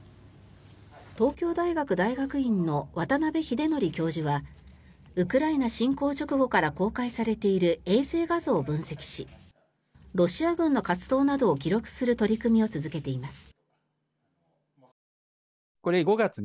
東京大学大学院の渡邉英徳教授はウクライナ侵攻直後から公開されている衛星画像を分析しロシア軍の活動などを記録する取り組みを続けています。